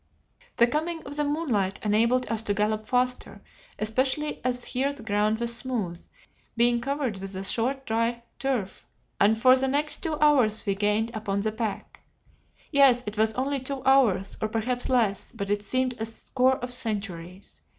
The coming of the moonlight enabled us to gallop faster, especially as here the ground was smooth, being covered with a short, dry turf, and for the next two hours we gained upon the pack. Yes, it was only two hours, or perhaps less, but it seemed a score of centuries.